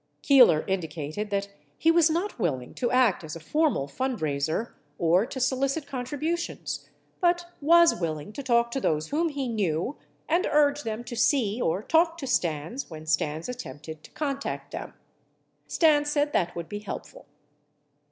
Keeler indicated that he was not willing to act as a formal fundraiser or to solicit contribu tions, but was willing to talk to those whom he knew and urge them to see or talk to Stans when Stans attempted to contact them. Stans said that would be helpful.